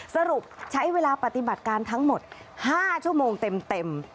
สรุปใช้เวลาปฏิบัติการทั้งหมด๕ชั่วโมงเต็ม